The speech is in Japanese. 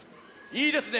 いいですね。